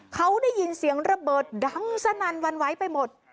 เขาได้ยินเสียงระเบิดดังสนั่นวันไหวไปหมด